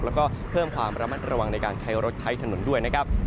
แล้วก็เพิ่มความระมัดระวังในการใช้รถใช้ถนนด้วยนะครับ